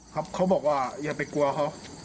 เขาบอกว่าอย่าไปกลัวเขา